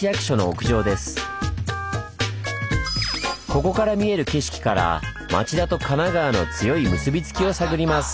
ここから見える景色から町田と神奈川の強い結びつきを探ります。